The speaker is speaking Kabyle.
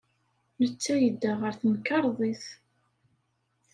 Netta yedda ɣer temkarḍit.